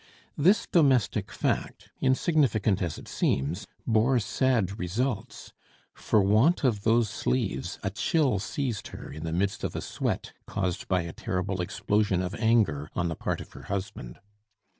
This domestic fact, insignificant as it seems, bore sad results. For want of those sleeves, a chill seized her in the midst of a sweat caused by a terrible explosion of anger on the part of her husband.